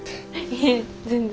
いえ全然。